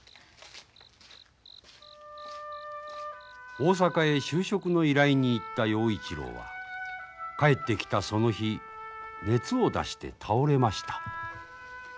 大阪へ就職の依頼に行った陽一郎は帰ってきたその日熱を出して倒れました。